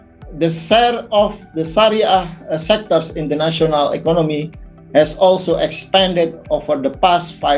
keputusan sektor syariah dalam ekonomi nasional juga telah berkembang selama lima tahun yang lalu